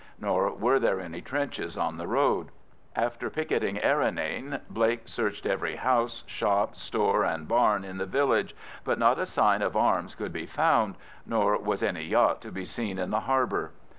Nor were there any trenches on the road. After picketing Errinane, Blake searched every house, shop, store, and barn in the village, but not a sign of arms could be found, nor was any yacht to be seen in the harbour.